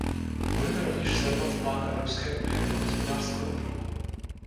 Budeme rovněž sledovat plán Evropské unie pro hospodářskou obnovu.